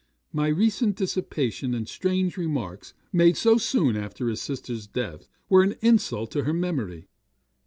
My recent dissipation, and strange remarks, made so soon after his sister's death, were an insult to her memory.